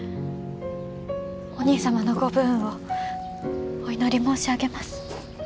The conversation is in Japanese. お兄様のご武運をお祈り申し上げます。